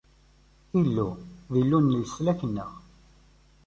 Illu, d Illu n leslak-nneɣ.